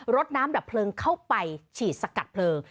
รถน้ำดับเพลิงเข้าไปฉีดสกัดเพลิง